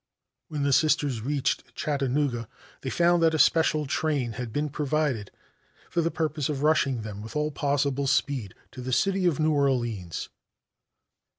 When the Sisters reached Chattanooga they found that a special train had been provided for the purpose of rushing them with all possible speed to the City of New Orleans.